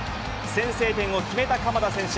先制点を決めた鎌田選手。